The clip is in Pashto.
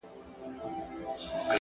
د حقیقت لټون د پوهې پیل دی،